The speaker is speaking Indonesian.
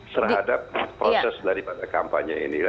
terhadap proses daripada kampanye ini